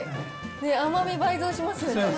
甘み倍増しますよね。